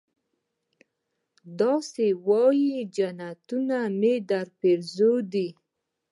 دا سه وايې جنتونه مې درپېرزو دي.